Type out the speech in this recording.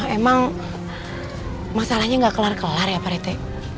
emang masalahnya gak kelar kelar ya pak rete